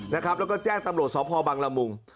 แล้วก็แจ้งตำรวจสพบังละมุง